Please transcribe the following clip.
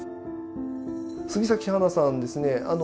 杉咲花さんですね